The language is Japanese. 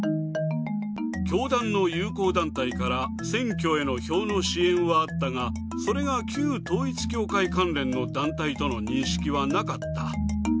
教団の友好団体から選挙への票の支援はあったが、それが旧統一教会関連の団体との認識はなかった。